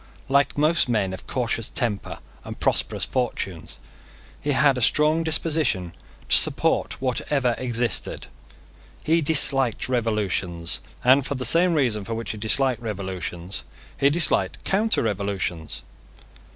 Like most men of cautious tempers and prosperous fortunes, he had a strong disposition to support whatever existed. He disliked revolutions; and, for the same reason for which he disliked revolutions, he disliked counter revolutions.